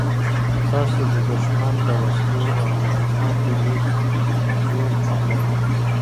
تاسو د دښمن د وسلو او مهماتو لېست جوړ کړئ.